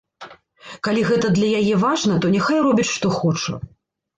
Калі гэта для яе важна, то няхай робіць што хоча.